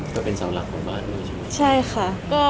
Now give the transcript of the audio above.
ก็เป็นเสาหลังของบ้านเนี่ยใช่ไหม